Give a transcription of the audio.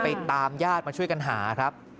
ตามญาติมาช่วยกันหาครับ